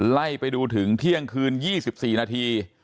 ไล่ไปดูถึงเที่ยงคืน๒๔นาที